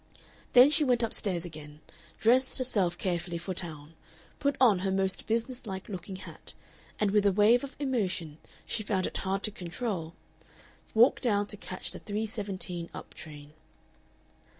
Then she went up stairs again, dressed herself carefully for town, put on her most businesslike looking hat, and with a wave of emotion she found it hard to control, walked down to catch the 3.17 up train.